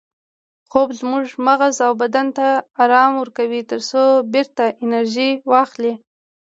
خوب زموږ مغز او بدن ته ارام ورکوي ترڅو بیرته انرژي واخلي